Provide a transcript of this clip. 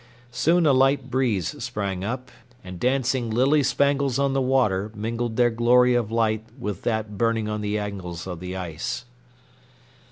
Soon a light breeze sprang up, and dancing lily spangles on the water mingled their glory of light with that burning on the angles of the ice.